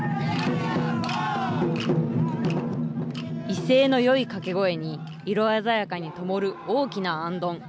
威勢のよい掛け声に、色鮮やかにともる大きな行燈。